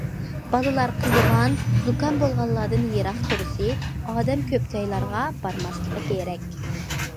بالىلار قىزىغان، زۇكام بولغانلاردىن يىراق تۇرۇشى، ئادەم كۆپ جايلارغا بارماسلىقى كېرەك.